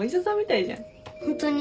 ホントに？